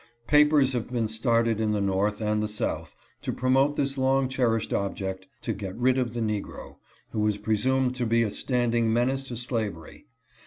Papers have been started in the North and the South to promote this long cherished object — to get rid of the negro, who is presumed to be a standing menace to slavery.